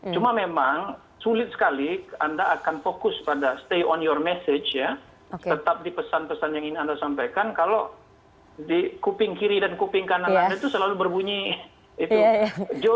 cuma memang sulit sekali anda akan fokus pada stay on your message ya tetap di pesan pesan yang ingin anda sampaikan kalau di kuping kiri dan kuping kanan anda itu selalu berbunyi